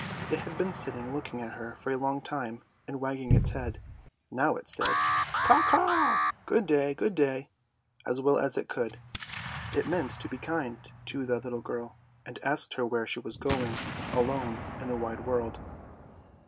It had been sitting looking at her for a long time and wagging its head. Now it said " Caw, caw; good day, good day," as well as it could; it meant to be kind to the little girl, and asked her where she was going, alone in the wide world.